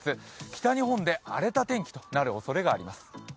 北日本で荒れた天気となるおそれがあります。